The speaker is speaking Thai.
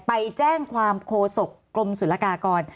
ไปแจ้งความโคศกกรมศุลกากร